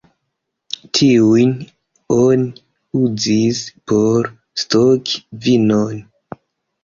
Tiujn oni uzis por stoki vinon.